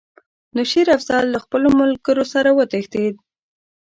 نو شېر افضل له خپلو ملګرو سره وتښتېد.